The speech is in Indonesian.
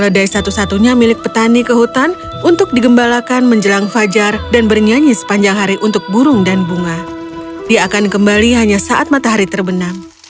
dia akan kembali hanya saat matahari terbenam